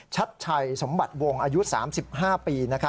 ชัดชัยสมบัติวงอายุ๓๕ปี